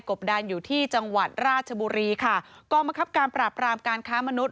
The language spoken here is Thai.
กบดันอยู่ที่จังหวัดราชบุรีค่ะกรมกรรมการประปราบการค้ามนุษย์